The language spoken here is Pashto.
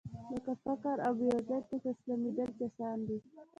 لکه فقر او بېوزلۍ ته تسليمېدل چې اسانه دي.